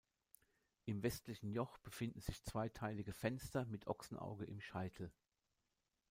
Im westlichen Joch befinden sich zweiteilige Fenster mit Ochsenauge im Scheitel.